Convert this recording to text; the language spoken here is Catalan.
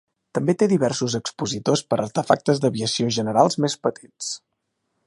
També té diversos expositors per artefactes d'aviació generals més petits.